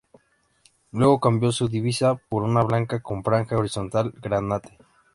Luego cambió su divisa por una blanca, con franja horizontal granate.